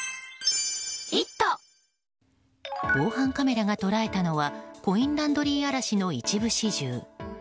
防犯カメラが捉えたのはコインランドリー荒らしの一部始終。